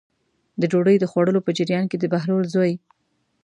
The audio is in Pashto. د ډوډۍ د خوړلو په جریان کې د بهلول زوی.